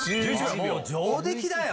もう上出来だよ！